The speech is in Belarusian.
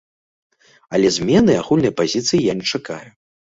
Але змены агульнай пазіцыі я не чакаю.